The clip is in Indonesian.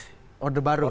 dikiranya kita masih